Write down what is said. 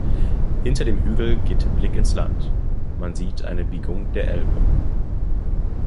Hinter dem Hügel geht der Blick ins Land, man sieht eine Biegung der Elbe.